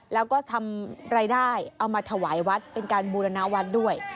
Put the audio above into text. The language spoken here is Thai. แล้วก็ทำรายได้เอามาถวายวัดเป็นการบูรณวัดด้วย